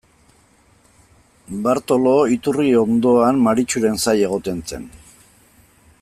Bartolo iturri ondoan Maritxuren zain egoten zen.